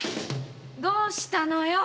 どうしたのよ！